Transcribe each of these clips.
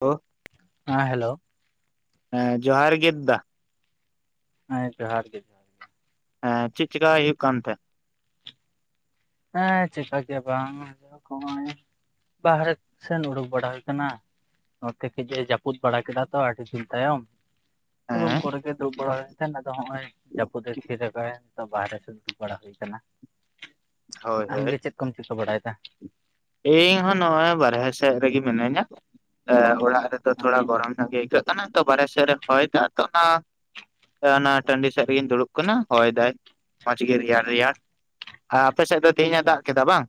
ᱦᱳ ᱦᱟᱸ ᱦᱮᱞᱳ ᱮ ᱡᱚᱦᱟᱨ ᱜᱮ ᱫᱟ ᱦᱮᱸ ᱡᱚᱦᱟᱨ ᱜᱮ ᱮ ᱪᱮᱫ ᱪᱮᱠᱟ ᱦᱩᱭᱩᱜ ᱠᱟᱱ ᱛᱮ ᱮ ᱪᱤᱠᱟᱹ ᱠᱮ ᱵᱟᱝ ᱦᱚᱜᱚᱭ ᱵᱟᱦᱨᱮ ᱥᱮᱱ ᱩᱰᱩᱠ ᱵᱟᱲᱟ ᱦᱩᱭ ᱠᱟᱱᱟ ᱱᱚᱛᱮ ᱠᱟᱹᱡ ᱮ ᱡᱟᱹᱯᱩᱫ ᱵᱟᱲᱟ ᱠᱮᱫᱟ ᱛᱚ ᱟᱹᱰᱤ ᱫᱤᱱ ᱛᱟᱭᱚᱢ ᱨᱩᱢ ᱦᱮᱸ ᱠᱚᱨᱮ ᱜᱮ ᱫᱩᱲᱩᱵ ᱵᱟᱲᱟ ᱦᱚᱭ ᱛᱮᱱ ᱟᱫᱚ ᱦᱚᱸᱜᱼᱚᱭ ᱡᱟᱹᱯᱩᱫ ᱮ ᱛᱷᱤᱨᱟᱜᱟᱭ ᱛᱚ ᱵᱟᱦᱨᱮ ᱥᱮᱫ ᱫᱩᱵ ᱵᱟᱲᱟ ᱦᱩᱭ ᱠᱟᱱᱟ ᱦᱳᱭ ᱦᱳᱭ ᱪᱤᱠᱟᱹ ᱵᱟᱲᱟᱭᱮᱫᱟ ᱤᱧ ᱦᱚᱸ ᱱᱚᱜ ᱚᱭ ᱵᱟᱨᱦᱮ ᱥᱮᱫ ᱨᱮᱜᱮ ᱢᱤᱱᱟᱹᱧᱟ ᱮ ᱚᱲᱟᱜ ᱨᱮ ᱛᱚ ᱛᱷᱚᱲᱟ ᱟᱪᱪᱷᱟ ᱜᱚᱨᱚᱢ ᱧᱚᱜ ᱜᱮ ᱟᱹᱭᱠᱟᱹᱜ ᱠᱟᱱᱟ ᱛᱚ ᱵᱟᱨᱦᱮ ᱥᱮᱫ ᱨᱮ ᱦᱚᱭ ᱫᱟ ᱛᱚ ᱚᱱᱟ ᱛᱚ ᱚᱱᱟ ᱴᱟᱺᱰᱤ ᱥᱮᱫ ᱨᱮᱜᱤᱧ ᱫᱩᱲᱩᱵ ᱠᱟᱱᱟ ᱦᱚᱭ ᱫᱟᱭ ᱢᱚᱸᱡᱽ ᱜᱮ ᱨᱮᱭᱟᱲ ᱨᱮᱭᱟᱲ ᱟ ᱟᱯᱮ ᱥᱮᱫ ᱫᱚ ᱛᱮᱦᱤᱧ ᱮ ᱟᱪᱪᱷᱟ ᱫᱟᱜ ᱠᱮᱫᱟ ᱵᱟᱝ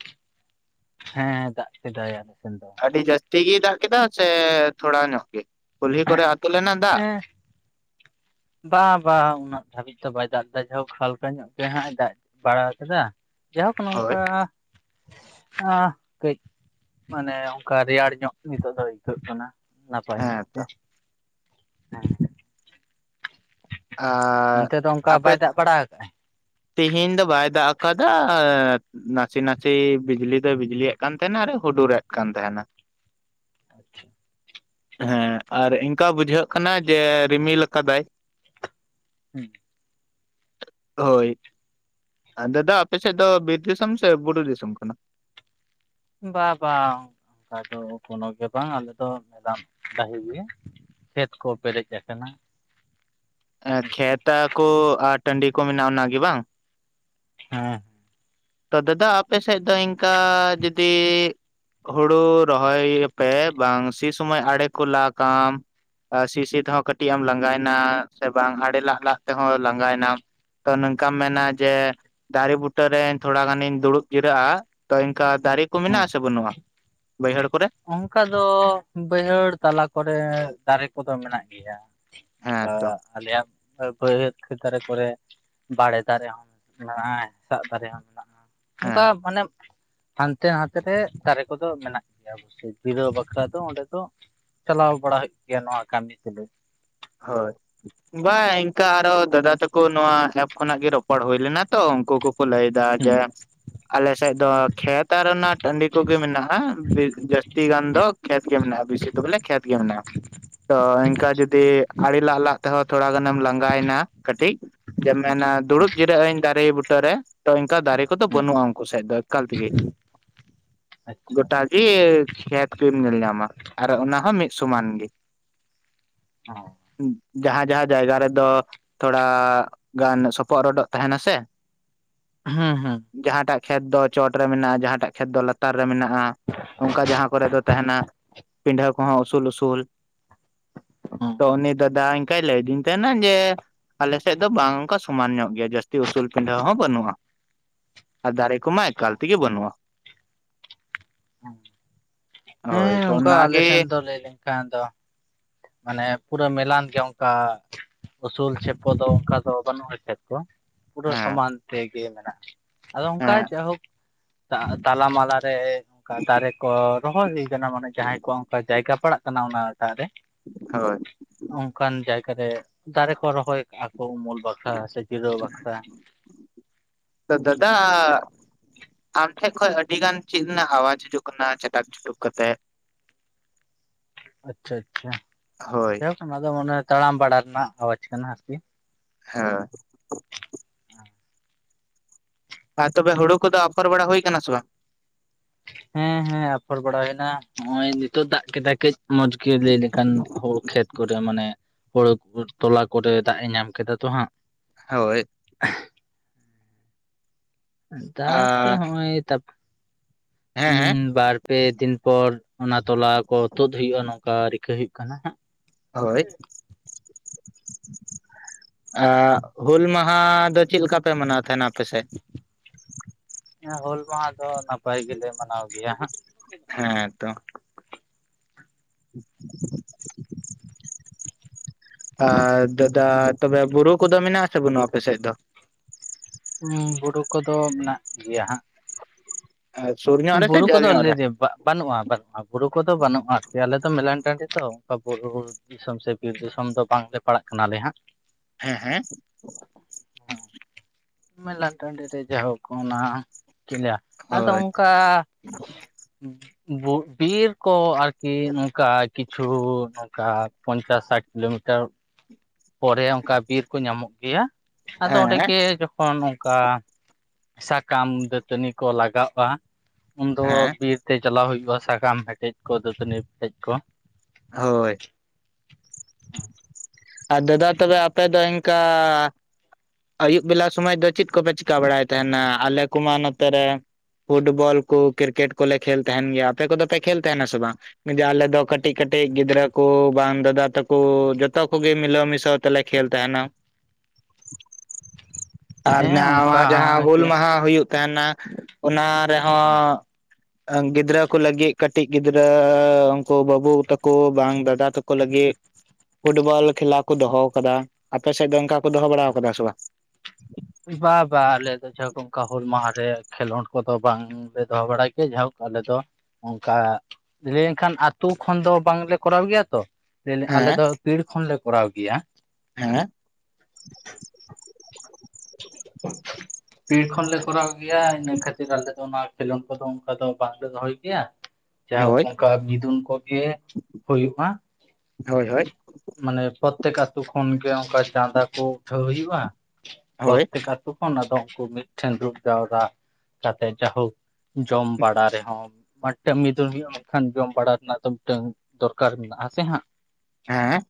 ᱦᱮᱸ ᱫᱟᱜ ᱠᱮᱫᱟᱭ ᱟᱞᱮ ᱥᱮᱱ ᱫᱚ ᱟᱹᱰᱤ ᱡᱟᱹᱥᱛᱤ ᱜᱮᱭ ᱫᱟᱜ ᱠᱮᱫᱟ ᱥᱮ ᱛᱷᱚᱲᱟ ᱧᱚᱜ ᱜᱮ ᱠᱩᱞᱦᱤ ᱠᱚᱨᱮ ᱟᱹᱛᱩ ᱞᱮᱱᱟ ᱫᱟᱜ ᱦᱮᱸ ᱵᱟ ᱵᱟᱝ ᱩᱱᱟᱹᱜ ᱫᱷᱟᱹᱵᱤᱡ ᱛᱚ ᱵᱟᱭ ᱫᱟᱜ ᱠᱮᱫᱟ ᱡᱟᱦᱳᱠ ᱦᱟᱞᱠᱟ ᱧᱚᱜ ᱜᱮ ᱦᱟᱜ ᱮ ᱫᱟᱜ ᱵᱟᱲᱟ ᱟᱠᱟᱫᱟ ᱡᱟᱦᱳᱠ ᱦᱳᱭ ᱱᱚᱝᱠᱟ ᱟ ᱠᱟᱹᱡ ᱢᱟᱱᱮ ᱚᱱᱠᱟ ᱨᱮᱭᱟᱲ ᱧᱚᱜ ᱱᱤᱛᱚᱜ ᱫᱚ ᱟᱹᱭᱠᱟᱹᱜ ᱠᱟᱱᱟ ᱱᱟᱯᱟᱭ ᱧᱚᱜ ᱜᱮ ᱦᱮᱸ ᱟᱻ ᱚᱱᱛᱮ ᱫᱚ ᱚᱱᱠᱟ ᱵᱟᱭ ᱫᱟᱜ ᱵᱟᱲᱟ ᱟᱠᱟ ᱟᱭ ᱛᱤᱦᱤᱧ ᱫᱚ ᱵᱟᱭ ᱫᱟᱜ ᱟᱠᱟᱫᱟ ᱮᱫ ᱱᱟᱥᱮ ᱱᱟᱥᱮ ᱵᱤᱡᱽᱞᱤ ᱫᱚ ᱵᱤᱡᱞᱤ ᱭᱮᱫ ᱠᱟᱱ ᱛᱟᱦᱮᱱᱟ ᱟᱨ ᱦᱩᱰᱩᱨ ᱮᱫ ᱠᱟᱱ ᱛᱟᱦᱮᱱᱟ ᱟᱪᱪᱷᱟ ᱦᱮᱸ ᱟᱨ ᱤᱱᱠᱟ ᱵᱩᱡᱷᱟᱹᱜ ᱠᱟᱱᱟ ᱡᱮ ᱨᱤᱢᱤᱞ ᱞᱟᱠᱟᱫᱟᱭ ᱦᱩᱸ ᱦᱳᱭ ᱟ ᱫᱟᱫᱟ ᱟᱯᱮ ᱥᱮᱫ ᱫᱚ ᱵᱤᱨ ᱫᱤᱥᱚᱢ ᱥᱮ ᱵᱩᱨᱩ ᱫᱤᱥᱚᱢ ᱠᱟᱱᱟ ᱵᱟ ᱵᱟ ᱚᱱᱠᱟ ᱫᱚ ᱠᱳᱱᱳ ᱜᱮ ᱵᱟᱝ ᱟᱞᱮ ᱫᱚ ᱢᱮᱫᱟᱢ ᱰᱟᱹᱦᱤ ᱜᱮ ᱠᱷᱮᱛ ᱠᱚ ᱯᱮᱨᱮᱡ ᱟᱠᱟᱱᱟ᱾ ᱮ ᱠᱷᱮᱛᱟ ᱠᱚ ᱟᱨ ᱴᱟᱺᱰᱤ ᱠᱚ ᱢᱮᱱᱟᱜᱼᱟ ᱚᱱᱟᱜᱤ ᱵᱟᱝ ᱦᱮᱸ ᱛᱚ ᱫᱟᱫᱟ ᱟᱯᱮ ᱥᱮᱫ ᱫᱚ ᱤᱱᱠᱟ ᱡᱩᱫᱤ ᱦᱩᱲᱩ ᱨᱚᱦᱚᱭ ᱟᱯᱮ ᱵᱟᱝ ᱥᱤ ᱥᱚᱢᱚᱭ ᱟᱲᱮ ᱠᱚ ᱞᱟᱜᱟᱢ᱾ ᱟ ᱥᱤ ᱥᱤ ᱛᱮᱦᱚᱸ ᱠᱟᱹᱴᱤᱡ ᱮᱢ ᱞᱟᱸᱜᱟᱭᱱᱟ ᱥᱮ ᱵᱟᱝ ᱟᱲᱮ ᱞᱟᱜ ᱞᱟᱜ ᱛᱮᱦᱚᱸ ᱞᱟᱸᱜᱟᱭᱱᱟᱢ ᱛᱚ ᱱᱚᱝᱠᱟᱢ ᱢᱮᱱᱟ ᱡᱮ ᱫᱟᱨᱮ ᱵᱩᱴᱟᱹᱨᱮ ᱛᱷᱚᱲᱟ ᱜᱟᱱᱤᱧ ᱫᱩᱲᱩᱵ ᱡᱤᱨᱟᱹᱜᱼᱟ ᱛᱚ ᱤᱱᱠᱟ ᱫᱟᱨᱮ ᱠᱚ ᱢᱮᱱᱟᱜ ᱦᱮᱸ ᱟᱥᱮ ᱵᱟᱹᱱᱩᱜᱼᱟ ᱵᱟᱹᱭᱦᱟᱹᱲ ᱠᱚᱨᱮ ᱚᱱᱠᱟ ᱫᱚ ᱵᱟᱹᱭᱦᱟᱹᱲ ᱛᱟᱞᱟ ᱠᱚᱨᱮ ᱫᱟᱨᱮ ᱠᱚᱫᱚ ᱢᱮᱱᱟᱜ ᱜᱮᱭᱟ᱾ ᱦᱮᱸ ᱟᱫᱚ ᱛᱚ ᱟᱞᱮᱭᱟᱜ ᱵᱟᱹᱭᱦᱟᱹᱲ ᱠᱷᱮᱫ ᱫᱟᱨᱮ ᱠᱚᱨᱮ ᱵᱟᱲᱮ ᱫᱟᱨᱮ ᱦᱚᱸ ᱢᱮᱱᱟᱜᱼᱟ᱾ ᱦᱮᱸᱥᱟᱜ ᱫᱟᱨᱮ ᱦᱚᱸ ᱢᱮᱱᱟᱜᱼᱟ᱾ ᱚᱱᱠᱟ ᱦᱮᱸ ᱢᱟᱱᱮ ᱦᱟᱱᱛᱮ ᱱᱟᱛᱮ ᱛᱮ ᱫᱟᱨᱮ ᱠᱚᱫᱚ ᱢᱮᱱᱟᱜ ᱥᱤᱯᱤ ᱫᱚ ᱫᱟᱠᱟ ᱫᱚ ᱚᱸᱰᱮ ᱫᱚ ᱪᱟᱞᱟᱣ ᱵᱟᱲᱟ ᱦᱩᱭᱩᱜ ᱜᱮᱭᱟ ᱱᱚᱣᱟ ᱠᱟᱹᱢᱤ ᱛᱩᱞᱩᱡ ᱦᱳᱭ ᱵᱟᱝ ᱤᱱᱠᱟ ᱟᱨᱚ ᱫᱟᱫᱟ ᱛᱟᱠᱚ ᱱᱚᱶᱟ ᱮᱯ ᱠᱷᱚᱱᱟᱜ ᱜᱮ ᱨᱚᱯᱚᱲ ᱦᱩᱭᱞᱮᱱᱟ ᱛᱚ ᱩᱱᱠᱩ ᱠᱩᱠᱚ ᱞᱟᱹᱭ ᱫᱟ ᱦᱩᱸ ᱡᱮ ᱟᱞᱮᱥᱮᱫ ᱫᱚ ᱠᱷᱮᱛ ᱟᱨ ᱚᱱᱟ ᱴᱟᱺᱰᱤ ᱠᱚᱜᱮ ᱢᱮᱱᱟᱜᱼᱟ ᱵᱤ ᱡᱟᱹᱥᱛᱤ ᱜᱟᱱ ᱫᱚ ᱠᱷᱮᱛ ᱜᱮ ᱢᱮᱱᱟᱜᱼᱟ ᱵᱮᱥᱤ ᱫᱚ ᱵᱚᱞᱮ ᱠᱷᱮᱛ ᱜᱮ ᱢᱮᱱᱟᱜᱼᱟ ᱛᱚ ᱤᱱᱠᱟ ᱡᱩᱫᱤ ᱟᱲᱮ ᱞᱟᱜ ᱞᱟᱜ ᱛᱮᱦᱚᱸ ᱛᱷᱚᱲᱟ ᱜᱟᱱᱮᱢ ᱞᱟᱸᱜᱟᱭ ᱮᱱᱟ ᱠᱟᱹᱴᱤᱡ, ᱡᱮᱢ ᱦᱩᱸ ᱢᱮᱱᱟ ᱦᱩᱸ ᱦᱩᱸ ᱫᱩᱲᱩᱵ ᱡᱤᱨᱟᱹ ᱟᱹᱧ ᱫᱟᱨᱮ ᱵᱩᱴᱟᱹᱨ ᱨᱮ᱾ ᱛᱚ ᱤᱱᱠᱟ ᱫᱟᱨᱮ ᱠᱚᱫᱚ ᱦᱩᱸ ᱵᱟᱹᱱᱩᱜᱼᱟ ᱩᱱᱠᱩ ᱥᱮᱫ ᱫᱚ ᱮᱠᱟᱞ ᱛᱮᱜᱮ ᱟᱪᱪᱷᱟ ᱜᱚᱴᱟᱜ ᱟᱪᱪᱷᱟ ᱜᱮ ᱠᱷᱮᱛ ᱜᱮᱢ ᱧᱮᱞ ᱧᱟᱢᱟ ᱟᱨ ᱚᱱᱟ ᱦᱚᱸ ᱢᱤᱫ ᱥᱚᱢᱟᱱ ᱜᱮ᱾ ᱚ᱾ ᱡᱟᱦᱟᱸ ᱡᱟᱦᱟᱸ ᱡᱟᱭᱜᱟ ᱨᱮᱫᱚ ᱛᱷᱚᱲᱟ ᱜᱟᱱ ᱥᱚᱯᱚᱫ ᱨᱚᱰᱚᱜ ᱛᱟᱦᱮᱱᱟ ᱥᱮ, ᱦᱩᱸ ᱦᱩᱸ᱾ ᱡᱟᱦᱟᱸᱴᱟᱜ ᱠᱷᱮᱛ ᱫᱚ ᱪᱚᱴ ᱨᱮ ᱢᱮᱱᱟᱜᱼᱟ ᱡᱟᱦᱟᱸᱴᱟᱜ ᱠᱷᱮᱛ ᱫᱚ ᱞᱟᱛᱟᱨ ᱨᱮ ᱢᱮᱱᱟᱜ-ᱟ᱾ ᱚᱱᱠᱟ ᱡᱟᱦᱟᱸ ᱠᱚᱨᱮ ᱫᱚ ᱛᱟᱦᱮᱱᱟ ᱯᱤᱱᱰᱟᱹ ᱠᱚᱦᱚᱸ ᱩᱥᱩᱞ ᱩᱥᱩᱞ᱾ ᱦᱩᱸ ᱛᱚ ᱩᱱᱤ ᱫᱟᱫᱟ ᱤᱝᱠᱟᱭ ᱞᱟᱹᱭ ᱟᱫᱤᱱ ᱛᱟᱦᱮᱱᱟ ᱡᱮ ᱟᱞᱮ ᱥᱮᱫ ᱫᱚ ᱵᱟᱝ ᱚᱱᱠᱟ ᱥᱚᱢᱟᱱ ᱧᱚᱜ ᱜᱮᱭᱟ ᱡᱟᱹᱥᱛᱤ ᱩᱥᱩᱞ ᱯᱤᱱᱰᱟᱹ ᱦᱚᱸ ᱵᱟᱹᱱᱩᱜᱼᱟ᱾ ᱟᱨ ᱫᱟᱨᱮ ᱠᱚᱢᱟ ᱮᱠᱟᱞ ᱛᱮᱜᱮ ᱵᱟᱹᱱᱩᱜᱼᱟ᱾ [inaudible] ᱦᱳᱭ ᱦᱮᱸ ᱛᱚ ᱚᱱᱠᱟ ᱟᱞᱮ ᱥᱮᱱ ᱚᱱᱟᱜᱮ ᱫᱚ ᱞᱟᱹᱭ ᱞᱮᱱᱠᱷᱟᱱ ᱫᱚ, ᱢᱟᱱᱮ ᱯᱩᱨᱟᱹ ᱢᱮᱞᱟᱱ ᱜᱮ ᱚᱱᱠᱟ ᱩᱥᱩᱞ ᱪᱷᱮᱯᱚ ᱫᱚ ᱚᱱᱠᱟ ᱫᱚ ᱵᱟᱹᱱᱩᱜᱼᱟ ᱠᱷᱮᱛ᱾ ᱠᱚ ᱯᱩᱨᱟᱹ ᱦᱮᱸ ᱥᱚᱢᱟᱱ ᱛᱮᱜᱮ ᱢᱮᱱᱟᱜ ᱟᱫᱚ ᱚᱱᱠᱟ ᱦᱮᱸ ᱡᱟᱭᱦᱳᱠ, ᱛᱟ ᱛᱟᱞᱟᱢᱟᱞᱟ ᱨᱮ ᱚᱱᱠᱟ ᱫᱟᱨᱮ ᱠᱚ ᱨᱚᱦᱚᱭ ᱦᱩᱭ ᱠᱟᱱᱟ ᱢᱟᱱᱮ ᱡᱟᱦᱟᱸᱭ ᱠᱚᱣᱟᱜ ᱚᱱᱠᱟ ᱡᱟᱭᱜᱟ ᱯᱟᱲᱟᱜ ᱠᱟᱱᱟ ᱚᱱᱟᱴᱟᱜ ᱨᱮ, ᱦᱳᱭ᱾ ᱚᱱᱠᱟᱱ ᱡᱟᱭᱜᱟ ᱨᱮ ᱫᱟᱨᱮ ᱠᱚ ᱨᱚᱦᱚᱭ ᱠᱟᱜᱼᱟ ᱠᱚ ᱩᱢᱩᱞ ᱵᱟᱠᱷᱨᱟ ᱥᱮ ᱡᱤᱨᱟᱹᱣ ᱵᱟᱠᱷᱨᱟ᱾ ᱛᱚ ᱫᱟᱫᱟᱻ ᱟᱢ ᱴᱷᱮᱡ ᱠᱷᱚᱡ ᱟᱹᱰᱤᱜᱟᱱ ᱪᱮᱫ ᱨᱮᱱᱟᱜ ᱟᱣᱟᱡ ᱦᱤᱡᱩᱜ ᱠᱟᱱᱟ ᱪᱟᱴᱟᱠ ᱪᱩᱴᱩᱠ ᱠᱟᱛᱮᱫ᱾ [inaudible] ᱟᱪᱪᱷᱟ ᱟᱪᱪᱷᱟ, ᱦᱳᱭ ᱡᱟᱭᱦᱳᱠ ᱚᱱᱟ ᱫᱚ ᱢᱚᱱᱮ ᱦᱚᱭ ᱛᱟᱲᱟᱢ ᱵᱟᱲᱟ ᱨᱮᱱᱟᱜ ᱟᱣᱟᱡᱽ ᱠᱟᱱᱟ ᱟᱨᱠᱤ᱾ ᱦᱮᱸ᱾ [inaudible] ᱟᱨ ᱛᱚᱵᱮ ᱦᱩᱲᱩ ᱠᱚᱫᱚ ᱟᱯᱷᱚᱨ ᱵᱟᱲᱟ ᱦᱩᱭ ᱠᱟᱱᱟ ᱥᱮ ᱵᱟᱝ? ᱦᱮᱸ ᱦᱮᱸ ᱟᱯᱷᱚᱨ ᱵᱟᱲᱟ ᱦᱩᱭᱱᱟ, ᱦᱚᱸᱜᱼᱚᱭ ᱱᱤᱛᱚᱜ ᱫᱟᱜᱽ ᱠᱮᱫᱟᱭ ᱠᱟᱹᱡ ᱢᱚᱸᱡᱽ ᱜᱮ ᱞᱟᱹᱭ ᱞᱮᱠᱷᱟᱱ ᱦᱳᱲᱳ ᱠᱷᱮᱛ ᱠᱚᱨᱮ ᱢᱟᱱᱮ ᱦᱳᱲᱳ ᱛᱚᱞᱟ ᱠᱚᱨᱮ ᱫᱟᱜᱽ ᱮ ᱧᱟᱢ ᱠᱮᱫᱟ ᱛᱚ ᱦᱟᱸᱜ᱾ ᱦᱳᱭ᱾ [inaudible] ᱛᱟᱯᱚᱨᱮ ᱟᱸ ᱦᱚᱸᱜᱼᱚᱭ ᱛᱟᱯ ᱦᱮᱸ ᱦᱮᱸ ᱩᱸ ᱵᱟᱨ ᱯᱮ ᱫᱤᱱ ᱯᱚᱨ ᱚᱱᱟ ᱛᱚᱞᱟ ᱠᱚ ᱛᱩᱫ ᱦᱩᱭᱩᱜᱼᱟ ᱱᱚᱝᱠᱟ ᱨᱤᱠᱟᱹ ᱦᱩᱭᱩᱜ ᱠᱟᱱᱟ ᱦᱟᱸᱜ᱾ ᱦᱳᱭ᱾ ᱟᱸ ᱦᱩᱞ ᱢᱟᱦᱟ ᱫᱚ ᱪᱮᱫ ᱞᱮᱠᱟ ᱯᱮ ᱢᱟᱱᱟᱣ ᱛᱟᱦᱮᱱᱟ ᱟᱯᱮ ᱥᱮᱫ? ᱦᱮᱸ ᱦᱩᱞ ᱢᱟᱦᱟ ᱫᱚ ᱱᱟᱯᱟᱭ ᱜᱮᱞᱮ ᱢᱟᱱᱟᱣ ᱜᱮᱭᱟ ᱦᱟᱸᱜ᱾ ᱦᱮᱸ ᱛᱚ᱾ ᱟᱨ ᱫᱟᱫᱟ ᱛᱚᱵᱮ ᱵᱩᱨᱩ ᱠᱚᱫᱚ ᱢᱮᱱᱟᱜ-ᱟ ᱥᱮ ᱵᱟᱹᱱᱩᱜ ᱟᱯᱮ ᱥᱮᱫ ᱫᱚ? ᱦᱩᱸ ᱵᱩᱨᱩ ᱠᱚᱫᱚ ᱢᱮᱱᱟᱜ ᱜᱮᱭᱟ ᱦᱟᱸᱜ᱾ ᱟᱨ ᱥᱩᱨ ᱧᱚᱜ ᱩᱸ ᱨᱮ ᱥᱮ ᱵᱩᱨᱩ ᱠᱚ ᱡᱷᱟᱹᱞ ᱫᱚ ᱧᱚᱜ ᱨᱮ? [unintelligible] ᱵᱟᱹᱱᱩᱜᱼᱟ ᱵᱟ ᱟ ᱵᱩᱨᱩ ᱠᱚᱫᱚ ᱵᱟᱹᱱᱩᱜᱼᱟ ᱟᱨᱠᱤ ᱟᱞᱮᱫᱚ ᱢᱮᱞᱟᱱ ᱴᱟᱺᱰᱤ ᱛᱚ ᱚᱱᱠᱟ ᱵᱩᱨᱩ ᱫᱤᱥᱚᱢ ᱥᱮ ᱵᱤᱨ ᱫᱤᱥᱚᱢ ᱫᱚ ᱵᱟᱝᱞᱮ ᱯᱟᱲᱟᱜ ᱠᱟᱱᱟᱞᱮ ᱦᱟᱸᱜ᱾ ᱦᱮᱸ ᱦᱮᱸ᱾ ᱢᱮᱞᱟᱱ ᱴᱟᱺᱰᱤ ᱨᱮ ᱡᱟᱭᱦᱳᱠ ᱚᱱᱟ ᱪᱮᱫ ᱤᱧ ᱞᱮᱭᱟ ᱟᱫᱚ ᱦᱳᱭ ᱚᱝᱠᱟ ᱵᱩ ᱵᱤᱨ ᱠᱚ ᱟᱨᱠᱤ ᱱᱚᱝᱠᱟ ᱠᱤᱪᱷᱩ ᱠᱟ ᱯᱚᱧᱪᱟᱥ ᱥᱟᱴ ᱠᱤᱞᱳᱢᱤᱴᱟᱨ ᱯᱚᱨᱮ ᱚᱝᱠᱟ ᱵᱤᱨ ᱠᱚ ᱧᱟᱢᱚᱜ ᱜᱮᱭᱟ, ᱟᱫᱚ ᱦᱮᱸ ᱚᱸᱰᱮ ᱜᱮ ᱡᱚ ᱠᱷᱚᱱ ᱚᱝᱠᱟ ᱥᱟᱠᱟᱢ ᱫᱟᱹᱛᱟᱹᱱᱤ ᱠᱚ ᱞᱟᱜᱟᱜᱼᱟ, ᱩᱱᱫᱚ ᱦᱮᱸ ᱵᱤᱨᱛᱮ ᱪᱟᱞᱟᱣ ᱦᱩᱭᱩᱜᱼᱟ᱾ ᱥᱟᱠᱟᱢ ᱦᱮᱴᱮᱡ ᱠᱚ ᱫᱟᱹᱛᱟᱹᱱᱤ ᱯᱮᱴᱮᱡ ᱠᱚ ᱦᱳᱭ ᱟᱨ ᱫᱟᱫᱟ ᱛᱚᱵᱮ ᱟᱯᱮ ᱫᱚ ᱤᱱᱠᱟ ᱟᱹᱭᱩᱵ ᱵᱮᱞᱟ ᱥᱚᱢᱚᱭ ᱫᱚ ᱪᱮᱫ ᱠᱚ ᱯᱮ ᱪᱤᱠᱟᱹ ᱵᱟᱲᱟᱭ ᱛᱟᱦᱮ ᱱᱟ ᱟᱞᱮ ᱠᱚᱢᱟ ᱱᱚᱛᱮ ᱨᱮ ᱯᱷᱩᱴ ᱵᱚᱞ ᱠᱚ ᱠᱨᱤᱠᱮᱴ ᱠᱚᱞᱮ ᱠᱷᱮᱞ ᱛᱟᱦᱮᱱ ᱜᱮᱭᱟ ᱟᱯᱮ ᱠᱚ ᱫᱚ ᱯᱮ ᱠᱷᱮᱞ ᱛᱟᱦᱮ ᱱᱟ ᱥᱮ ᱵᱟᱝ ᱡᱮ ᱟᱞᱮ ᱫᱚ ᱠᱟᱹᱴᱤᱡ ᱠᱟᱹᱴᱤᱡ ᱜᱤᱫᱽᱨᱟᱹᱠᱩ ᱵᱟᱝ ᱫᱟᱫᱟ ᱛᱟᱠᱚ ᱡᱷᱚᱛᱚ ᱠᱚ ᱜᱮ ᱢᱤᱞᱟᱹ ᱢᱤᱥᱚ ᱛᱟᱞᱮ ᱠᱷᱮᱞ ᱛᱟᱦᱮ ᱱᱟ ᱟᱨ ᱦᱮᱸ ᱱᱟᱣᱟ ᱚᱱᱠᱟ ᱡᱟᱦᱟᱸ ᱦᱩᱞ ᱜᱮ ᱢᱟᱦᱟ ᱦᱩᱭᱩᱜ ᱛᱟᱦᱮ ᱱᱟ ᱚᱱᱟ ᱨᱮ ᱦᱚᱸ ᱮᱫ ᱜᱤᱫᱽᱨᱟᱹᱠᱚ ᱞᱟᱹᱜᱤᱫ ᱠᱟᱹᱴᱤᱡ ᱜᱤᱫᱽᱨᱟᱹ ᱩᱱ ᱠᱩ ᱵᱟᱹᱵᱩ ᱛᱟ ᱠᱚ ᱵᱟᱝ ᱫᱟᱫᱟ ᱛᱟ ᱠᱚ ᱞᱟᱹᱜᱤᱫ ᱾ ᱯᱷᱩᱴᱵᱚᱞ ᱠᱷᱮᱞᱟ ᱠᱚ ᱫᱚ ᱦᱚ ᱠᱟᱫᱟ ᱟᱯᱮ ᱥᱮᱫ ᱫᱚ ᱚᱱᱠᱟ ᱠᱚ ᱫᱚ ᱦᱚ ᱵᱟᱲᱟ ᱠᱟᱫᱟ ᱥᱮ ᱵᱟᱝ? ᱵᱟ ᱵᱟ ᱟᱞᱮ ᱫᱚ [unintelligible] ᱚᱱᱠᱟ ᱦᱩᱞ ᱢᱟᱦᱟ ᱨᱮ ᱠᱷᱮᱞᱳᱱᱰ ᱠᱚ ᱫᱚ ᱵᱟᱝ ᱞᱮ ᱫᱚ ᱦᱚ ᱵᱟᱲᱟᱭ ᱠᱚᱣᱟ ᱡᱟᱭ ᱦᱳᱠ ᱟᱞᱮ ᱫᱚ ᱚᱱᱠᱟ ᱞᱟᱹᱭ ᱮᱱ ᱠᱷᱟᱱ ᱟᱛᱩ ᱠᱷᱚᱱ ᱫᱚ ᱵᱟᱝ ᱞᱮ ᱠᱚᱨᱟᱣ ᱜᱮᱭᱟ ᱛᱚ ᱟᱞᱮ ᱦᱮᱸ ᱫᱚ ᱯᱤᱲ ᱠᱷᱚᱱ ᱞᱮ ᱠᱚᱨᱟᱣ ᱜᱮᱭᱟ᱾ ᱦᱮᱸ [inaudible] ᱯᱤᱲ ᱠᱷᱚᱱ ᱞᱮ ᱠᱚᱨᱟᱣ ᱜᱮᱭᱟ ᱤᱱᱟᱹ ᱠᱷᱟᱹᱛᱤᱨ ᱟᱞᱮ ᱫᱚ ᱚᱱᱟ ᱠᱷᱮᱞᱳᱰ ᱠᱚ ᱫᱚ ᱚᱱᱠᱟ ᱫᱚ ᱵᱟᱝ ᱞᱮ ᱫᱚᱦᱚᱭ ᱜᱮᱭᱟ᱾ ᱡᱟᱭ ᱦᱳᱠ ᱦᱳᱭ ᱚᱱᱠᱟ ᱢᱤᱫᱩᱱ ᱠᱚ ᱜᱮ ᱦᱩᱭᱩᱜ-ᱟ᱾ ᱦᱳᱭ ᱦᱳᱭ ᱢᱟᱱᱮ ᱯᱨᱚᱛᱛᱮᱠ ᱟᱛᱩ ᱠᱷᱚᱱ ᱜᱮ ᱚᱱᱠᱟ ᱪᱟᱸᱫᱟ ᱠᱚ ᱩᱴᱷᱟᱹᱣ ᱦᱩᱭᱩᱜ-ᱟ᱾ ᱦᱳᱭ ᱯᱨᱚᱛᱮᱠ ᱟᱹᱛᱩ ᱠᱷᱚᱱ ᱟᱫᱚ ᱩᱱᱠᱩ ᱢᱤᱫ ᱴᱷᱮᱱ ᱫᱩᱲᱩᱯ ᱡᱟᱣᱨᱟ ᱠᱟᱛᱮ ᱡᱟᱭᱦᱳᱠ ᱡᱚᱢ ᱵᱟᱲᱟ ᱨᱮ ᱦᱚᱸ ᱢᱤᱫ ᱴᱟᱝ ᱢᱤᱫ ᱩᱱ ᱦᱩᱭᱩᱜ-ᱟ᱾ ᱢᱮᱱ ᱠᱷᱟᱱ ᱡᱚᱢ ᱵᱟᱲᱟ ᱨᱮᱱᱟᱜ ᱫᱚ ᱢᱤᱫ ᱴᱟᱝ ᱫᱚᱨᱠᱟᱨ ᱢᱮᱱᱟᱜ-ᱟ᱾ ᱥᱮ ᱦᱟᱸᱜ ᱦᱮᱸ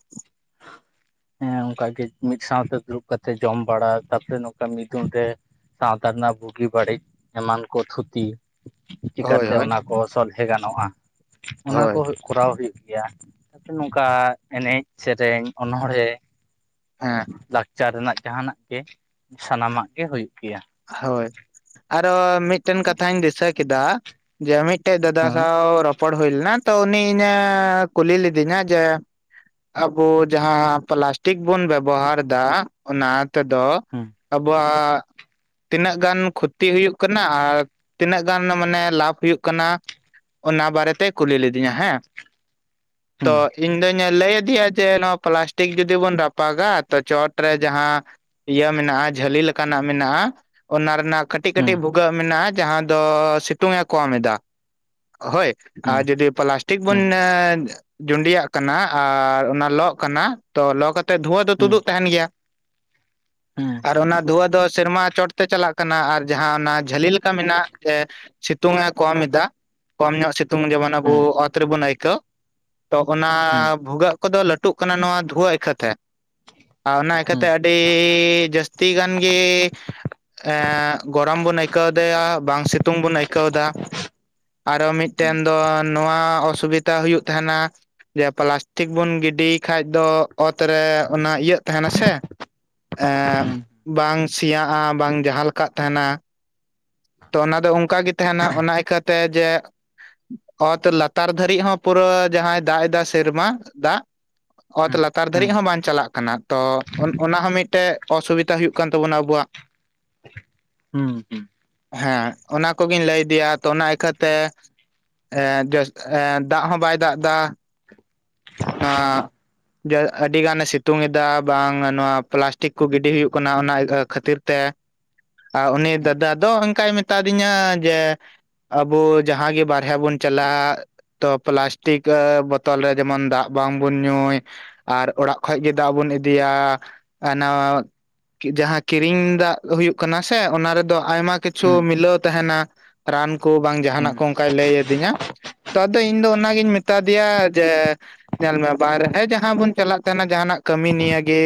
ᱦᱮᱸ ᱚᱱᱠᱟ ᱜᱮ ᱢᱤᱫ ᱥᱟᱶᱛᱮ ᱫᱩᱲᱩᱵ ᱠᱟᱛᱮ ᱡᱚᱢ ᱵᱟᱲᱟ ᱠᱟᱛᱮ ᱱᱚᱝᱠᱟ ᱢᱤᱫᱩᱱ ᱨᱮ ᱥᱟᱶᱛᱟ ᱨᱮᱱᱟᱜ ᱵᱩᱜᱤ ᱵᱟᱹᱲᱤᱡ ᱮᱢᱟᱱ ᱠᱚ ᱛᱷᱩᱛᱤ ᱪᱤᱠᱟ ᱦᱳᱭ ᱛᱮ ᱦᱳᱭ ᱚᱱᱟ ᱠᱚ ᱥᱚᱞᱦᱮ ᱜᱟᱱᱚᱜ-ᱟ᱾ ᱚᱱᱟ ᱠᱚ ᱦᱳᱭ ᱠᱚᱨᱟᱣ ᱦᱩᱭᱩᱜ ᱜᱮᱭᱟ ᱱᱚᱝ ᱠᱟ ᱮᱱᱮᱡ ᱥᱮᱨᱮᱧ ᱚᱱᱚᱬ ᱦᱮᱸ ᱦᱮᱸ ᱞᱟᱠᱪᱟᱨ ᱨᱮᱱᱟᱜ ᱡᱟᱦᱱᱟᱜ ᱜᱮ ᱥᱟᱱᱟ ᱢᱟᱜ ᱜᱮ ᱦᱳᱭᱳᱜ ᱜᱮᱭᱟ ᱦᱳᱭ ᱟᱨᱚ ᱢᱤᱫ ᱴᱮᱱ ᱠᱟᱛᱷᱟᱧ ᱫᱤᱥᱟᱹ ᱠᱮᱫᱟ᱾ ᱡᱮ ᱢᱤᱫ ᱴᱮᱡ ᱫᱟᱫᱟ ᱦᱮᱸ ᱥᱟᱶ ᱨᱚᱯᱚᱲ ᱦᱳᱭ ᱞᱮᱱᱟ ᱛᱚ ᱩᱱᱤ ᱤᱧᱮ ᱠᱩᱞᱤ ᱞᱤᱫᱤᱧᱟ ᱡᱮ ᱟᱵᱩ ᱡᱟᱦᱟᱸ ᱯᱞᱟᱥᱴᱤᱠ ᱵᱩᱱ ᱵᱮᱵᱚ ᱦᱟᱨ ᱫᱟ ᱚᱱᱟ ᱛᱮ ᱫᱚ ᱦᱮᱸ ᱟᱵᱚ ᱣᱟᱜ ᱛᱤᱱᱟᱹᱜ ᱜᱟᱱ ᱠᱷᱩᱛᱤ ᱦᱩᱭᱩᱜ ᱠᱟᱱᱟ ᱟᱨ ᱛᱤᱱᱟᱹᱜ ᱜᱟᱱ ᱢᱟᱱᱮ ᱞᱟᱵᱷ ᱦᱩᱭᱩᱜ ᱠᱟᱱᱟ ᱚᱱᱟ ᱵᱟᱨᱮᱛᱮ ᱠᱩᱞᱤ ᱞᱤᱫᱤᱧᱟ ᱦᱮᱸ ᱦᱮᱸ ᱛᱚ ᱤᱧ ᱫᱚ ᱞᱟᱹᱭ ᱟᱫᱮᱭᱟ ᱡᱮ ᱱᱚᱣᱟ ᱯᱞᱟᱥᱴᱤᱠ ᱡᱩᱫᱤ ᱵᱚᱱ ᱨᱟᱯᱟᱜᱟ ᱛᱚ ᱪᱚᱴᱨᱮ ᱡᱟᱦᱟᱸ ᱤᱭᱟᱹ ᱢᱮᱱᱟᱜ-ᱟ ᱡᱷᱟᱹᱞᱤ ᱞᱮᱠᱟ ᱱᱟᱜ ᱢᱮᱱᱟᱜ-ᱟ᱾ ᱚᱱᱟ ᱨᱮᱱᱟᱜ ᱠᱟᱹᱴᱤᱡ ᱦᱮᱸ ᱠᱟᱹᱴᱤᱡ ᱵᱷᱩᱜᱟᱹᱜ ᱢᱮᱱᱟᱜ-ᱟ ᱡᱟᱦᱟᱸ ᱫᱚ ᱥᱤᱛᱩᱝ- ᱮ ᱠᱚᱢ ᱮᱫᱟ ᱦᱳᱭ ᱟᱨ ᱡᱩᱫᱤ ᱯᱞᱟᱥᱴᱤᱠ ᱵᱚᱱ ᱡᱩᱰᱤᱭᱟᱜ ᱠᱟᱱᱟ ᱟᱨ ᱚᱱᱟ ᱞᱚᱜ ᱠᱟᱱᱟ ᱛᱚ ᱞᱚᱜ ᱠᱟᱛᱮ ᱛᱮ ᱫᱷᱩᱣᱟᱹ ᱫᱚ ᱛᱩᱫᱩᱜ ᱛᱟᱦᱮᱱ ᱜᱮᱭᱟ ᱦᱩᱸ ᱟᱨ ᱚᱱᱟ ᱫᱷᱩᱣᱟᱹ ᱫᱚ ᱥᱮᱨᱢᱟ ᱪᱚᱴ ᱛᱮ ᱪᱟᱞᱟᱜ ᱠᱟᱱᱟ ᱟᱨ ᱡᱟᱦᱟᱸ ᱚᱱᱟ ᱡᱷᱟᱹᱞᱤ ᱞᱮᱠᱟ ᱢᱮᱱᱟᱜ ᱮ ᱥᱤᱛᱩᱝ ᱮ ᱠᱚᱢ ᱮᱫᱟ᱾ ᱠᱚᱢ ᱧᱚᱜ ᱥᱤᱛᱩᱝ ᱡᱮᱢᱚᱱ ᱟᱵᱩ ᱚᱛ ᱨᱮᱵᱚᱱ ᱟᱹᱭᱠᱟᱹᱣ ᱛᱚ ᱚᱱᱟ ᱵᱷᱩᱜᱟᱹᱜ ᱠᱚᱫᱚ ᱞᱟᱹᱴᱩᱜ ᱠᱟᱱᱟ ᱱᱚᱣᱟ ᱫᱷᱩᱣᱟᱹ ᱤᱠᱷᱟᱹᱛᱮ ᱟᱨ ᱚᱱᱟ ᱤᱠᱟᱹᱛᱮ ᱟᱹᱰᱤ ᱡᱟᱹᱥᱛᱤ ᱜᱟᱱ ᱜᱮ ᱮ ᱜᱚᱨᱚᱢ ᱵᱚᱱ ᱟᱹᱭᱠᱟᱹᱣ ᱫᱟ ᱵᱟᱝ ᱥᱤᱛᱩᱝ ᱵᱚᱱ ᱟᱹᱭᱠᱟᱹᱣ ᱫᱟ᱾ ᱟᱨᱚ ᱢᱤᱫ ᱴᱮᱱ ᱫᱚ ᱱᱚᱣᱟ ᱚᱥᱩᱵᱤᱛᱟ ᱦᱩᱭᱩᱜ ᱛᱟᱦᱮᱱᱟ᱾ ᱡᱮ ᱯᱞᱟᱥᱴᱤᱠ ᱵᱚᱱ ᱜᱤᱰᱤᱭ ᱠᱷᱟᱡ ᱫᱚ ᱚᱛ ᱨᱮ ᱚᱱᱟ ᱤᱭᱟᱹᱜ ᱛᱟᱦᱮᱱᱟ ᱥᱮ ᱮᱜ ᱵᱟᱝ ᱥᱮᱭᱟᱜ-ᱟ ᱵᱟᱝ ᱡᱟᱦᱟᱸ ᱞᱮᱠᱟᱜ ᱛᱟᱦᱮᱱᱟ᱾ ᱛᱚ ᱚᱱᱟ ᱫᱚ ᱚᱱᱠᱟ ᱜᱮ ᱛᱟᱦᱮᱱᱟ ᱚᱱᱟ ᱤᱠᱟᱹ ᱛᱮ ᱡᱮ ᱚᱛ ᱞᱟᱛᱟᱨ ᱫᱷᱟᱹᱨᱤᱡ ᱦᱚᱸ ᱯᱩᱨᱟᱹ ᱡᱟᱦᱟᱸᱭ ᱫᱟᱜ ᱮᱫᱟ ᱥᱮᱨᱢᱟ ᱫᱟᱜ᱾ ᱚᱛ ᱞᱟᱛᱟᱨ ᱫᱷᱟᱹᱨᱤᱡ ᱦᱚᱸ ᱵᱟᱝ ᱪᱟᱞᱟᱜ ᱠᱟᱱᱟ, ᱛᱚ ᱚᱱᱟ ᱦᱚᱸ ᱢᱤᱫᱴᱮᱡ ᱚᱥᱩᱵᱤᱛᱟ ᱦᱩᱭᱩᱜ ᱠᱟᱱ ᱛᱟᱵᱚᱱᱟ ᱟᱵᱩᱣᱟᱜ᱾ ᱦᱩᱸ ᱦᱮᱸ ᱚᱱᱟ ᱠᱚᱜᱤᱧ ᱞᱟᱹᱭ ᱫᱮᱭᱟ ᱛᱚ ᱚᱱᱟ ᱤᱠᱷᱟᱹ ᱛᱮ ᱮ ᱫᱟᱜ ᱦᱚᱸ ᱵᱟᱭ ᱫᱟᱜ ᱮᱫᱟ ᱱᱚᱣᱟ ᱡᱮ ᱟᱹᱰᱤ ᱜᱟᱱᱮ ᱥᱤᱛᱩᱝ ᱮᱫᱟ ᱵᱟᱝ ᱱᱚᱣᱟ ᱯᱞᱟᱥᱴᱤᱠ ᱠᱚ ᱜᱤᱰᱤ ᱦᱩᱭᱩᱜ ᱠᱟᱱᱟ ᱚᱱᱟ ᱠᱷᱟᱹᱛᱤᱨ᱾ ᱛᱮ ᱟᱨ ᱩᱱᱤ ᱫᱟᱫᱟ ᱫᱚ ᱦᱟᱱᱠᱟᱭ ᱢᱮᱛᱟ ᱫᱤᱧᱟ ᱡᱮ ᱟᱵᱩ ᱡᱟᱦᱟᱸ ᱜᱤ ᱵᱟᱨᱦᱮ ᱵᱩᱱ ᱪᱟᱞᱟᱜᱼᱟ ᱛᱚ ᱯᱞᱟᱥᱴᱤᱠ ᱵᱳᱚᱛᱚᱞ ᱨᱮ ᱡᱮᱢᱚᱱ ᱫᱟᱜ ᱵᱟᱝ ᱵᱚᱱ ᱧᱩᱭ ᱟᱨ ᱚᱲᱟᱜ ᱠᱷᱚᱡ ᱜᱮ ᱫᱟᱜ ᱵᱚᱱ ᱤᱫᱤᱭᱟ, ᱚᱱᱟ ᱡᱟᱦᱟᱸ ᱠᱤᱨᱤᱧ ᱫᱟᱜ ᱦᱩᱭᱩᱜ ᱠᱟᱱᱟ ᱥᱮ ᱚᱱᱟ ᱨᱮᱫᱚ ᱟᱭᱢᱟ ᱠᱤᱪᱷᱩ ᱢᱤᱞᱟᱹᱣ ᱛᱟᱦᱮᱱᱟ᱾ ᱨᱟᱱ ᱠᱚ ᱵᱟᱝ ᱡᱟᱦᱟᱱᱟᱜ ᱠᱚ ᱚᱱᱠᱟᱭ ᱞᱟᱹᱭ ᱟᱹᱫᱤᱧᱟ ᱛᱚ ᱟᱫᱚ ᱤᱧ ᱫᱚ ᱚᱱᱟᱜᱤᱧ ᱢᱮᱛᱟ ᱫᱮᱭᱟ ᱡᱮ ᱧᱮᱞ ᱢᱮ ᱵᱟᱨᱦᱮ ᱡᱟᱦᱟᱸ ᱵᱚᱱ ᱪᱟᱞᱟᱜ ᱠᱟᱱᱟ ᱡᱟᱦᱟᱸᱱᱟᱜ ᱠᱟᱹᱢᱤ ᱱᱤᱭᱟᱹ ᱜᱮ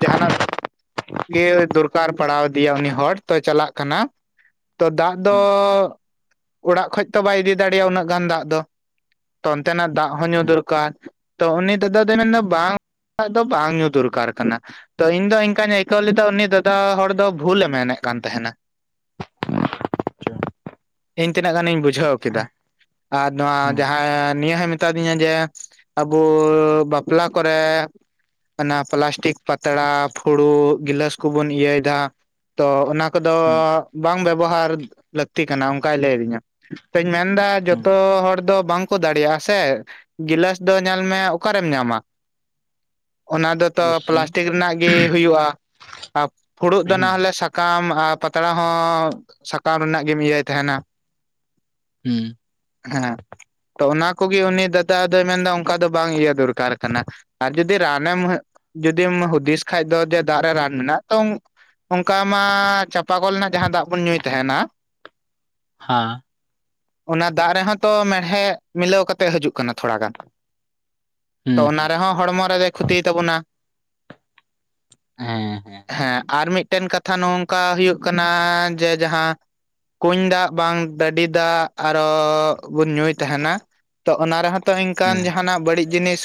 ᱡᱟᱦᱟᱱᱟᱜ ᱜᱮ ᱫᱚᱨᱠᱟᱨ ᱯᱟᱲᱟᱣᱫᱮᱭᱟ ᱩᱱᱤ ᱦᱚᱲ ᱛᱚ ᱪᱟᱞᱟᱜ ᱠᱟᱱᱟ ᱛᱚ ᱫᱟᱜ ᱫᱚ ᱚᱲᱟᱜ ᱠᱷᱚᱡ ᱛᱚ ᱵᱟᱭ ᱤᱫᱤ ᱫᱟᱲᱮᱭᱟᱜᱼᱟ ᱩᱱᱟᱹᱜ ᱜᱟᱱ ᱫᱟᱜ ᱫᱚ᱾ ᱛ ᱚᱱᱛᱮᱱᱟᱜ ᱫᱟᱜ ᱦᱚᱸ ᱧᱩ ᱫᱚᱨᱠᱟᱨ ᱛᱚ ᱩᱱᱤ ᱫᱟᱫᱟ ᱫᱚᱭ ᱢᱮᱱ ᱮᱫᱟ ᱵᱟᱝ ᱫᱚ ᱵᱟᱝ ᱧᱩ ᱫᱚᱨᱠᱟᱨ ᱠᱟᱱᱟ᱾ ᱛᱚ ᱤᱧ ᱫᱚ ᱤᱱᱠᱟᱧ ᱟᱹᱭᱠᱟᱹᱣ ᱞᱮᱫᱟ ᱩᱱᱤ ᱫᱟᱫᱟ ᱦᱚᱲ ᱫᱚ ᱵᱷᱩᱞᱮ ᱢᱮᱱᱮᱫ ᱠᱟᱱ ᱛᱟᱦᱮᱸᱱᱟ᱾ [unintelligible] ᱤᱧ ᱛᱤᱱᱟᱹᱜ ᱜᱟᱱᱤᱧ ᱵᱩᱡᱷᱟᱹᱣ ᱠᱮᱫᱟ ᱟᱨ ᱱᱚᱣᱟ ᱡᱟᱦᱟᱸ ᱱᱤᱭᱟᱹ ᱦᱚᱭ ᱢᱮᱛᱟ ᱫᱤᱧᱟ ᱡᱮ ᱟᱵᱩ ᱵᱟᱯᱞᱟ ᱠᱚᱨᱮ ᱚᱱᱟ ᱯᱞᱟᱥᱴᱤᱠ ᱯᱟᱛᱲᱟ ᱯᱷᱩᱲᱩᱜ ᱜᱤᱞᱟᱹᱥ ᱠᱚᱵᱚᱱ ᱤᱭᱟᱹ ᱮᱫᱟ ᱛᱚ ᱚᱱᱟ ᱠᱚᱫᱚ ᱵᱟᱝ ᱵᱮᱵᱚᱦᱟᱨ ᱞᱟᱹᱠᱛᱤ ᱠᱟᱱᱟ ᱚᱱᱠᱟᱭ ᱞᱟᱹᱭ ᱟᱹᱫᱤᱧᱟ, ᱛᱚᱧ ᱢᱮᱱ ᱮᱫᱟ ᱡᱚᱛᱚ ᱦᱚᱲ ᱫᱚ ᱵᱟᱝᱠᱚ ᱫᱟᱲᱮᱭᱟᱜᱼᱟ ᱥᱮ ᱜᱤᱞᱟᱥ ᱫᱚ ᱧᱮᱞ ᱢᱮ ᱚᱠᱟᱨᱮᱢ ᱧᱟᱢᱟ ᱚᱱᱟ ᱫᱚ ᱛᱚ ᱚᱵᱚᱥᱥᱳᱭ ᱯᱞᱟᱥᱴᱤᱠ ᱨᱮᱱᱟᱜ ᱜᱮ ᱦᱩᱭᱩᱜᱼᱟ ᱟᱨ ᱯᱷᱩᱲᱩᱜ ᱫᱚ ᱱᱟ ᱦᱚᱸᱞᱮ ᱥᱟᱠ ᱥᱟᱠᱟᱢ ᱟᱨ ᱯᱟᱛᱲᱟ ᱦᱚᱸ ᱥᱟᱠᱟᱢ ᱨᱮᱱᱟᱜ ᱜᱮᱢ ᱤᱭᱟᱹᱭ ᱛᱟᱦᱮᱱᱟ᱾ ᱦᱮᱸ ᱦᱮᱸ ᱛᱚ ᱚᱱᱟ ᱠᱚᱜᱮ ᱩᱱᱤ ᱫᱟᱫᱟ ᱫᱚᱭ ᱢᱮᱱ ᱮᱫᱟ ᱚᱱᱠᱟ ᱫᱚ ᱵᱟᱝ ᱤᱭᱟᱹ ᱫᱚᱨᱠᱟᱨ ᱠᱟᱱᱟ ᱟᱨ ᱡᱩᱫᱤ ᱨᱟᱱᱮᱢ ᱡᱩᱫᱤᱢ ᱦᱩᱫᱤᱥ ᱠᱷᱟᱡ ᱫᱚ ᱫᱟᱜ ᱨᱮ ᱨᱟᱱ ᱢᱮᱱᱟᱜ-ᱟ ᱛᱚ ᱚᱱᱠᱟ ᱢᱟ ᱪᱟᱯᱟ ᱠᱚᱞ ᱨᱮᱱᱟᱜ ᱡᱟᱦᱟᱸ ᱫᱟᱜ ᱵᱚᱱ ᱧᱩᱭ ᱛᱟᱦᱮᱱᱟ᱾ ᱦᱮᱸ ᱚᱱᱟ ᱫᱟᱜ ᱨᱮᱦᱚᱸ ᱛᱚ ᱢᱮᱲᱦᱮᱫ ᱢᱤᱞᱟᱹᱣ ᱠᱟᱛᱮᱜ ᱦᱤᱡᱩᱜ ᱠᱟᱱᱟ ᱛᱷᱚᱲᱟ ᱜᱟᱱ, ᱛᱚ ᱚᱱᱟ ᱨᱮᱦᱚᱸ ᱦᱚᱲᱢᱚ ᱨᱮᱫᱚᱭ ᱠᱷᱚᱛᱤᱭ ᱛᱟᱵᱚᱱᱟ ᱦᱮᱸ ᱦᱮᱸ ᱟᱨ ᱢᱤᱫᱴᱮᱱ ᱠᱟᱛᱷᱟ ᱱᱚᱝᱠᱟ ᱦᱩᱭᱩᱜ ᱠᱟᱱᱟ ᱡᱮ ᱡᱟᱦᱟᱸ ᱠᱩᱧ ᱫᱟᱜ ᱵᱟᱝ ᱰᱟᱹᱰᱤ ᱫᱟᱜ ᱟᱨᱚ ᱵᱚᱱ ᱧᱩᱭ ᱛᱟᱦᱮᱱᱟ ᱛᱚ ᱚᱱᱟ ᱨᱮᱦᱚᱸ ᱛᱚ ᱤᱱᱠᱟᱱ ᱡᱟᱦᱱᱟᱜ ᱵᱟᱹᱲᱤᱡ ᱡᱤᱱᱤᱥ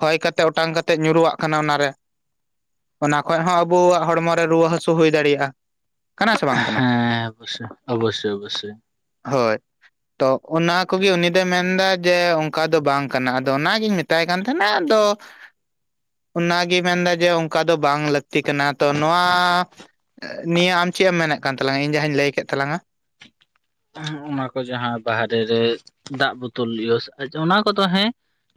ᱦᱚᱭ ᱠᱟᱛᱮ ᱚᱴᱟᱝ ᱠᱟᱛᱮᱜ ᱧᱩᱨᱩᱣᱟᱜ ᱠᱟᱱᱟ ᱚᱱᱟ ᱨᱮ ᱚᱱᱟ ᱠᱷᱚᱡ ᱦᱚᱸ ᱟᱵᱚᱣᱟᱜ ᱦᱚᱲᱢᱚ ᱨᱮ ᱨᱩᱣᱟᱹ ᱦᱟᱹᱥᱩ ᱦᱩᱭ ᱫᱟᱲᱮᱭᱟᱜᱼᱟ, ᱠᱟᱱᱟ ᱥᱮ ᱵᱟᱝ ᱠᱟᱱᱟ ᱦᱮᱸ ᱚᱵᱚᱥᱥᱚᱭ ᱚᱵᱚᱥᱥᱚᱭ ᱚᱵᱚᱥᱥᱚᱭ ᱦᱳᱭ, ᱛᱚ ᱚᱱᱟ ᱠᱚᱜᱮ ᱩᱱᱤ ᱫᱚᱭ ᱢᱮᱱ ᱮᱫᱟ ᱡᱮ ᱚᱱᱠᱟ ᱫᱚ ᱵᱟᱝ ᱠᱟᱱᱟ ᱟᱫᱚ ᱚᱱᱟᱜᱤᱧ ᱢᱮᱛᱟᱭ ᱠᱟᱱ ᱛᱟᱦᱮᱱᱟ ᱾ᱟᱫᱚ ᱚᱱᱟᱜᱮ ᱢᱮᱱ ᱮᱫᱟ ᱡᱮ ᱚᱱᱠᱟ ᱫᱚ ᱵᱟᱝ ᱞᱟᱹᱠᱛᱤ ᱠᱟᱱᱟ, ᱛᱚ ᱱᱚᱣᱟ ᱱᱤᱭᱟᱹ ᱟᱢ ᱪᱮᱫ ᱮᱢ ᱢᱮᱱᱮᱫ ᱠᱟᱱ ᱛᱟᱞᱟᱝ-ᱟ ᱤᱧ ᱡᱟᱦᱟᱸᱧ ᱞᱟᱹᱭ ᱠᱮᱫ ᱛᱟᱞᱟᱝ-ᱟ? ᱚᱱᱟ ᱠᱚ ᱡᱟᱦᱟᱸ ᱵᱟᱦᱨᱮ ᱨᱮ ᱫᱟᱜ ᱵᱳᱛᱚᱞ ᱮᱣᱩᱥ ᱚᱱᱟ ᱠᱚᱫᱚ ᱦᱮᱸ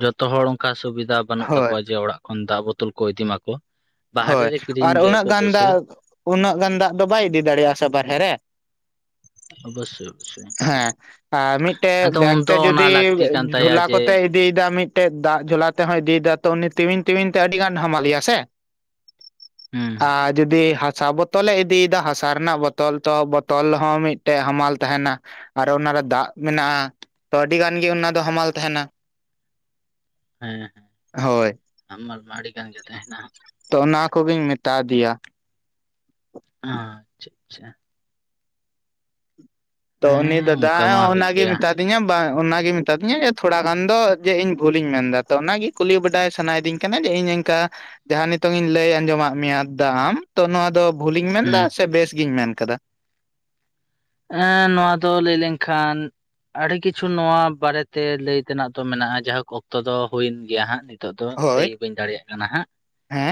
ᱡᱚᱛᱚ ᱦᱚᱲ ᱚᱱᱠᱟ ᱥᱩᱵᱤᱫᱷᱟ ᱵᱟᱹᱱᱩᱜ ᱦᱳᱭ ᱛᱟᱠᱚᱣᱟ ᱡᱮ ᱚᱲᱟᱜ ᱠᱷᱚᱱ ᱫᱟᱜ ᱵᱳᱛᱳᱚᱞ ᱠᱚ ᱤᱫᱤ ᱢᱟᱠᱚ ᱵᱟᱦᱨᱮ ᱦᱳᱭ ᱨᱮ ᱠᱤᱨᱤᱧ ᱟᱨ ᱜᱮᱭᱟ ᱩᱱᱟᱹᱜ ᱠᱚ ᱜᱟᱱ ᱚᱵᱚᱥᱥᱳᱭ ᱫᱟᱜ, ᱩᱱᱟᱹᱜ ᱜᱟᱱ ᱫᱟᱜ ᱫᱚ ᱵᱟᱭ ᱤᱫᱤ ᱫᱟᱲᱮᱭᱟᱜ-ᱟ ᱥᱮ ᱵᱟᱦᱨᱮ ᱨᱮ᱾ [inaudible] ᱚᱵᱚᱥᱥᱳᱭ ᱦᱮᱸ ᱟᱨ ᱢᱤᱫᱴᱮᱡ ᱟᱫᱚ ᱵᱮᱜᱽ ᱩᱱᱫᱚ ᱛᱮ ᱚᱱᱟ ᱡᱩᱫᱤ ᱞᱟᱹᱠᱛᱤ ᱠᱟᱱ ᱛᱟᱭᱟ ᱡᱷᱚᱞᱟ ᱡᱮ ᱠᱚᱛᱮ ᱤᱫᱤᱭᱫᱟ ᱢᱤᱫᱴᱮᱡ ᱫᱟᱜ ᱡᱷᱚᱞᱟ ᱛᱮᱦᱭ ᱤᱫᱤᱭᱫᱟ ᱛᱚ ᱩᱱᱤ ᱴᱤᱣᱤᱧ ᱛᱤᱣᱤᱧ ᱛᱮ ᱟᱹᱰᱤ ᱜᱟᱱ ᱦᱟᱢᱟᱞᱮᱭᱟ ᱥᱮ ᱦᱩᱸ ᱟᱨ ᱡᱩᱫᱤ ᱦᱟᱥᱟ ᱵᱟᱹᱛ ᱛᱚᱞᱮ ᱤᱫᱤᱭᱫᱟ ᱦᱟᱥᱟ ᱨᱮᱱᱟᱜ ᱵᱚᱛᱚᱞ ᱛᱚ ᱵᱚᱛᱚᱞ ᱦᱚᱸ ᱢᱤᱫᱴᱮᱡ ᱦᱟᱢᱟᱞ ᱛᱟᱦᱮᱱᱟ᱾ ᱟᱨᱚ ᱚᱱᱟᱨᱮ ᱫᱟᱜ ᱢᱮᱱᱟᱜ-ᱟ ᱛᱚ ᱟᱹᱰᱤ ᱜᱟᱱ ᱜᱮ ᱚᱱᱟ ᱫᱚ ᱦᱟᱢᱟᱞ ᱛᱟᱦᱮᱱᱟ ᱦᱮᱸ ᱦᱮᱸ ᱦᱳᱭ ᱦᱟᱢᱢᱟᱞ ᱢᱟ ᱟᱰᱤ ᱜᱟᱱ ᱜᱮ ᱛᱟᱦᱮᱱᱟ ᱛᱚ ᱚᱱᱟ ᱠᱚᱜᱤᱧ ᱢᱮᱛᱟ ᱫᱮᱭᱟ [inaudible] ᱟᱪᱪᱷᱟ ᱟᱪᱪᱷᱟ ᱛᱚ ᱩᱱᱤ ᱦᱮᱸ ᱫᱟᱫᱟ ᱚᱱᱠᱟ ᱢᱟ ᱦᱩᱭᱩᱜ ᱚᱱᱟᱜ ᱜᱮ ᱜᱮᱭᱟ ᱢᱮᱛᱟ ᱫᱤᱧᱟ ᱵᱟᱝ ᱚᱱᱟᱜᱮ ᱢᱮᱛᱟᱫᱤᱧᱟ ᱡᱮ ᱛᱷᱚᱲᱟ ᱜᱟᱱ ᱫᱚ ᱡᱮ ᱤᱧ ᱵᱷᱩᱞᱤᱧ ᱢᱮᱱ ᱫᱟ ᱛᱚ ᱚᱱᱟᱜᱮ ᱠᱩᱞᱤ ᱵᱟᱰᱟᱭ ᱥᱟᱱᱟᱭᱮᱫᱤᱧ ᱡᱮ ᱤᱧ ᱮᱝᱠᱟ ᱡᱟᱦᱟᱸ ᱱᱤᱛᱚᱝ ᱤᱧ ᱞᱟᱹᱭ ᱟᱸᱡᱚᱢᱟᱜ ᱢᱮᱭᱟ ᱫᱫᱟ ᱛᱚ ᱱᱚᱣᱟ ᱫᱚ ᱵᱷᱩᱞᱤᱧ ᱢᱮᱱᱫᱟ ᱦᱩᱸ ᱥᱮ ᱵᱮᱥ ᱜᱤᱧ ᱢᱮᱱ ᱠᱟᱫᱟ? ᱮᱸ ᱱᱚᱣᱟ ᱫᱚ ᱞᱟᱹᱭ ᱞᱮᱝᱠᱷᱟᱱ ᱟᱰᱤ ᱠᱤᱪᱷᱩ ᱱᱚᱣᱟ ᱵᱟᱨᱮᱛᱮ ᱞᱟᱹᱭ ᱛᱮᱱᱟᱜ ᱛᱚ ᱢᱮᱱᱟᱜ-ᱟ ᱡᱟᱦᱳᱠ ᱚᱠᱛᱚ ᱫᱚ ᱦᱩᱭᱮᱱ ᱜᱮᱭᱟ ᱦᱟᱸᱜ ᱛᱳᱜ ᱫᱚ ᱦᱳᱭ ᱞᱟᱹᱭ ᱵᱟᱹᱧ ᱫᱟᱲᱮᱭᱟᱜ ᱠᱟᱱᱟ ᱦᱟᱸᱜ ᱦᱮᱸ